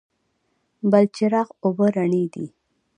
بلچراغ اوبه رڼې دي؟